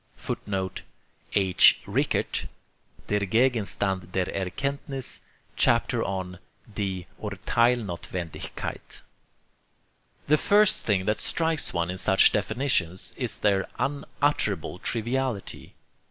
[Footnote: H. Rickert, Der Gegenstand der Erkenntniss, chapter on 'Die Urtheilsnothwendigkeit.'] The first thing that strikes one in such definitions is their unutterable triviality.